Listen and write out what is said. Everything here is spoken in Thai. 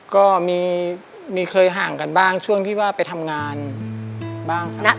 ก็มีเคยห่างกันบ้างช่วงที่ว่าไปทำงานบ้างครับ